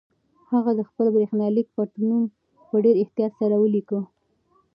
هغه د خپل برېښنالیک پټنوم په ډېر احتیاط سره ولیکه.